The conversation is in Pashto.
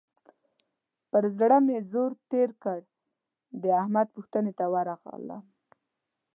پر زړه مې زور تېر کړ؛ د احمد پوښتنې ته ورغلم.